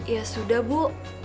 ya sudah bu